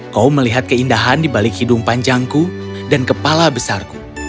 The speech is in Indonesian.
kau melihat keindahan di balik hidung panjangku dan kepala besarku